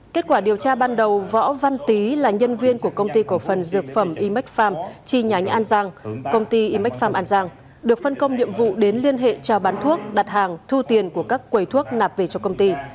kết quả điều tra ban đầu võ văn tý là nhân viên của công ty cổ phần dược phẩm imec farm chi nhánh an giang công ty imecarm an giang được phân công nhiệm vụ đến liên hệ trao bán thuốc đặt hàng thu tiền của các quầy thuốc nạp về cho công ty